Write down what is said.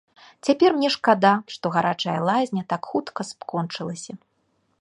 Цяпер мне шкада, што гарачая лазня так хутка скончылася.